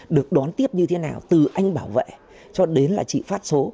được đón tiếp như thế nào từ anh bảo vệ cho đến là chị phát số